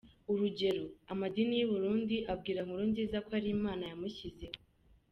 Urugero, amadini y’i Burundi abwira Nkurunziza ko ari imana yamushyizeho.